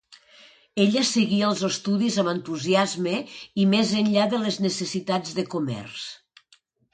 Ella seguia els estudis amb entusiasme i més enllà de les necessitats de comerç.